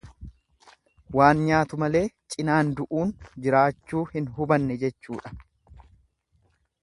Waan nyaatu malee cinaan du'uun jiraachuu hin hubanne jechuudha.